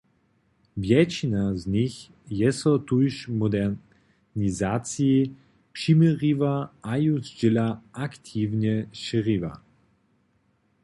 Wjetšina z nich je so tuž modernizaciji přiměriła a ju zdźěla aktiwnje šěriła.